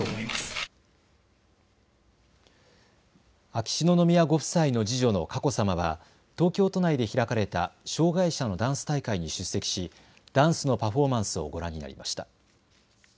秋篠宮ご夫妻の次女の佳子さまは東京都内で開かれた障害者のダンス大会に出席しダンスのパフォーマンスをご覧になりました。